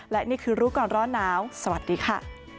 และนี่คือรู้ก่อนร้อนหนาวสวัสดีค่ะ